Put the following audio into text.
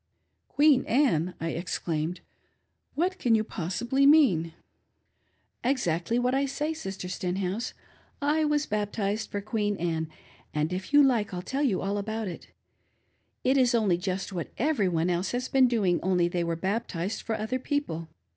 "Queen Anne!" I exclaiiped. "What can you possibly mean ?" "Exactly what I say. Sister Stenhouse — I was baptized for Queen Anne, j^nd if you like I'll tell you all about it. It i^ only just what every one else ha,s been doing, only they were baptized fpr other people.